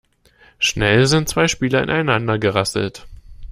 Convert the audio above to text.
Schnell sind zwei Spieler ineinander gerasselt.